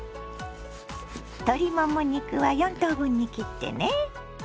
鶏もも肉は４等分に切ってね。